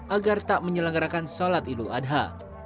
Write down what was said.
agar tak menyelenggarakan sholat idul adha